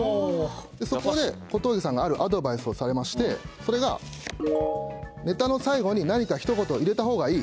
そこで、小峠さんがあるアドバイスをされまして、それが、ネタの最後に何かひと言入れたほうがいい。